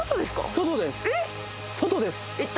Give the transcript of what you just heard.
外です